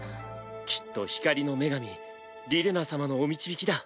きっと光の女神リレナ様のお導きだ。